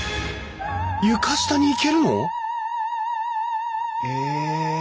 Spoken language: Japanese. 床下に行けるの？え。